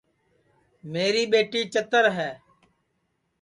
میری ٻیٹی چتر ہے